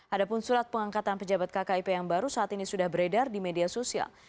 ada pun surat pengangkatan pejabat kkip yang baru saat ini sudah beredar di media sosial